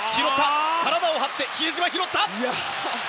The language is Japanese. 体を張って比江島、拾った！